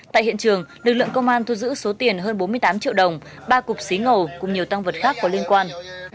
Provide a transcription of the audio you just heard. tại hiện trường lực lượng công an thu giữ số tiền hơn bốn mươi tám triệu đồng ba cục xí ngầu cùng nhiều tăng vật khác có liên quan